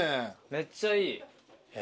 めっちゃいい。え？